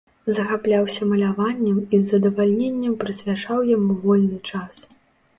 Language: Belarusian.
Захапляўся маляваннем і з задавальненнем прысвячаў яму вольны час.